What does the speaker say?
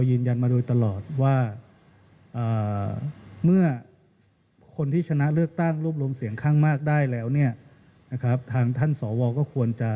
ก็ยังคงเชื่อมั่นอยู่ว่าถ้าแปดพักจับมือกันแน่นพอการจัดตั้งรัฐบาลจะเกิดขึ้นได้ยากหรือง่ายลองไปฟังนะครับ